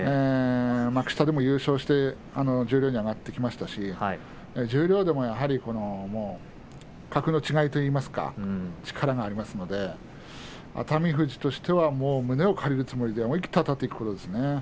幕下でも優勝して十両に上がってきましたし十両でもやはり格の違いというか力がありますので熱海富士としては胸を借りるつもりで思い切ってあたっていくことですね。